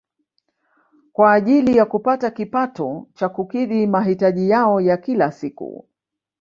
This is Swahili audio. Kwa ajili ya kupata kipato cha kukidhi mahitaji yao ya kila siku